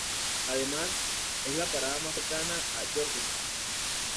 Además es la parada más cercana a Georgetown.